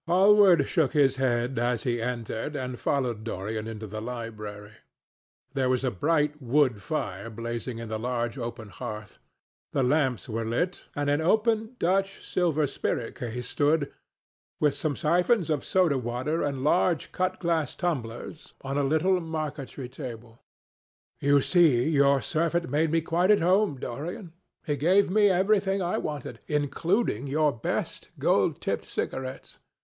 Hallward shook his head, as he entered, and followed Dorian into the library. There was a bright wood fire blazing in the large open hearth. The lamps were lit, and an open Dutch silver spirit case stood, with some siphons of soda water and large cut glass tumblers, on a little marqueterie table. "You see your servant made me quite at home, Dorian. He gave me everything I wanted, including your best gold tipped cigarettes.